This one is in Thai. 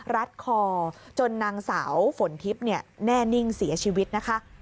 รัดคอจนนางสาวฝนทิพย์แน่นิ่งเสียชีวิตนะคะ